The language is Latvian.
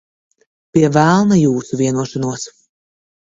Pie velna jūsu vienošanos.